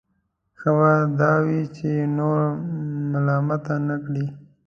ښه به دا وي چې نور ملامته نه کړي.